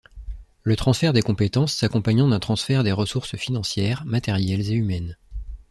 Le transfert des compétences s’accompagnant d’un transfert des ressources financières, matérielles et humaines.